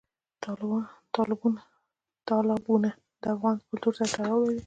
تالابونه د افغان کلتور سره تړاو لري.